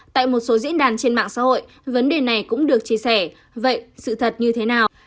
tại một số diễn đàn trên mạng xã hội vấn đề này cũng được chia sẻ vậy sự thật như thế nào